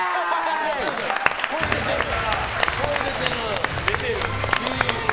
声、出てるな。